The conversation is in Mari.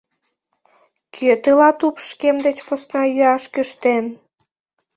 Кӧ тылат упш, кем деч посна йӱаш кӱштен!